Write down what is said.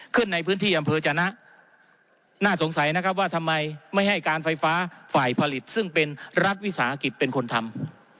ขึ้นในพื้นที่อำเภอจนะน่าสงสัยนะครับว่าทำไมไม่ให้การไฟฟ้าฝ่ายผลิตซึ่งเป็นรัฐวิสาหกิจเป็นคนทำ